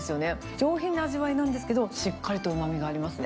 上品な味わいなんですけど、しっかりとうまみがありますね。